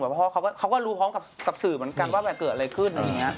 เพราะเขาก็รู้พร้อมกับสื่อเหมือนกันว่าเกิดอะไรขึ้น